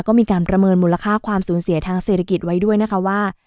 ก็มีการประเมินมูลค่าความสูญเสียทางเศรษฐกิจไว้ด้วยนะคะว่า